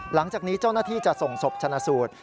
หลังจากนี้เจ้าหน้าที่จะส่งศพชนะสูตร